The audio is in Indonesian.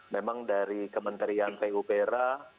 memang dari kementerian pupera